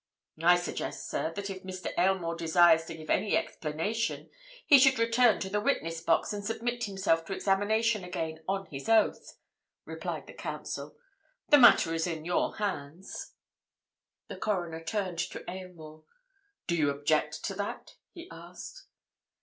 "I suggest, sir, that if Mr. Aylmore desires to give any explanation he should return to the witness box and submit himself to examination again on his oath," replied the Counsel. "The matter is in your hands." The Coroner turned to Aylmore. "Do you object to that?" he asked.